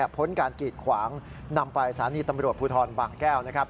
พ้นการกีดขวางนำไปสถานีตำรวจภูทรบางแก้ว